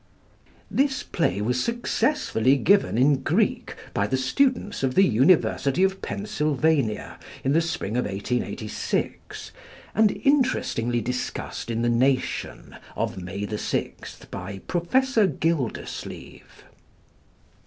This play was successfully given in Greek by the students of the University of Pennsylvania in the spring of 1886, and interestingly discussed in the Nation of May 6th by Professor Gildersleeve.